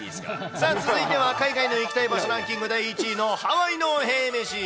さあ続いては、海外の行きたい場所ランキング１位の、ハワイのへぇ飯。